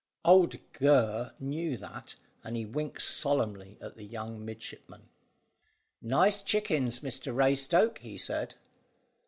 Old Gurr knew that, and he winked solemnly at the young midshipman. "Nice chickens, Mr Raystoke," he said.